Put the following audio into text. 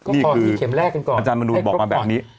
นี่คืออาจารย์มนูนบอกมาแบบนี้